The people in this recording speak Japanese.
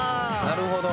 「なるほど」